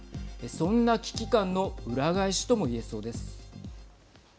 そんな危機感の裏返しともいえそうです。